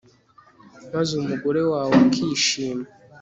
maze umugore wawe akishima